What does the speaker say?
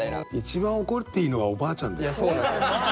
一番怒っていいのはおばあちゃんだよ。